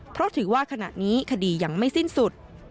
เพราะถือว่าขณะนี้คดียังไม่สิ้นสุด